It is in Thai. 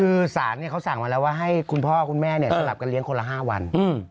คือศาลเขาสั่งมาแล้วว่าให้คุณพ่อคุณแม่สลับกันเลี้ยงคนละ๕วัน